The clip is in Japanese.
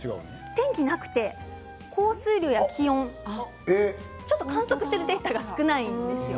天気がなくて、降水量や気温ちょっと観測してるデータが少ないんですよ。